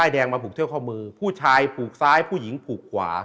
แดงมาผูกเที่ยวข้อมือผู้ชายผูกซ้ายผู้หญิงผูกขวา